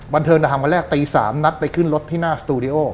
บันเทิงวันแรกตี๓นัดไปขึ้นรถที่หน้าสตูดิโอ